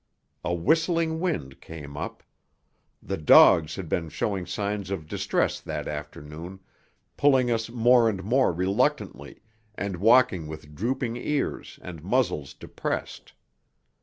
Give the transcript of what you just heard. A whistling wind came up. The dogs had been showing signs of distress that afternoon, pulling us more and more reluctantly, and walking with drooping ears and muzzles depressed.